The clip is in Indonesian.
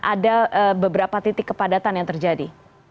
ada beberapa titik kepadatan yang terjadi